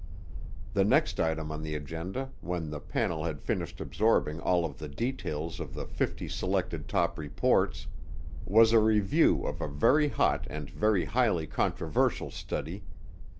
The next item on the agenda, when the panel had finished absorbing all of the details of the fifty selected top reports, was a review of a very hot and very highly controversial study.